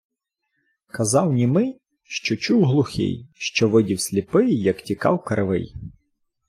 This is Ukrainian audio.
Казав німий, що чув глухий, що видів сліпий, як тікав кривий.